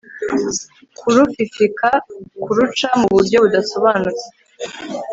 kurufifika kuruca mu buryo budasobanutse